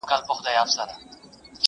دی قرنطین دی په حجره کي!!